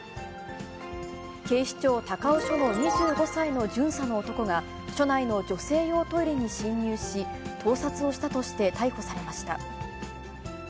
警視庁高尾署の２５歳の巡査の男が、署内の女性用トイレに侵入し、盗撮をしたとして逮捕されました。